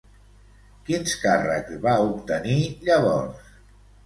Quins càrrecs va obtenir llavors?